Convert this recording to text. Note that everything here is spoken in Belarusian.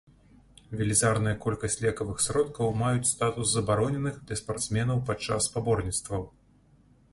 Велізарная колькасць лекавых сродкаў маюць статус забароненых для спартсменаў падчас спаборніцтваў.